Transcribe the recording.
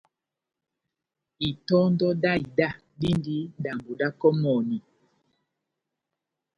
Itɔndɔ dá ida dindi dambi da kɔmɔni